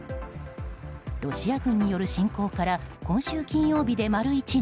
ロシア軍による侵攻から今週金曜日で丸１年。